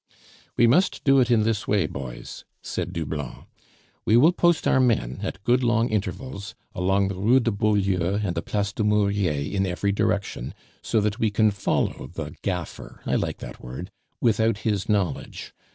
"We must do it in this way, boys," said Doublon. "We will post our men, at good long intervals, about the Rue de Beaulieu and the Place du Murier in every direction, so that we can follow the gaffer (I like that word) without his knowledge.